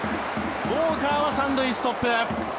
ウォーカーは３塁ストップ。